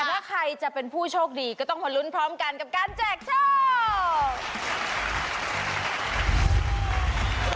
ถ้าใครจะเป็นผู้โชคดีก็ต้องมาลุ้นพร้อมกันกับการแจกโชค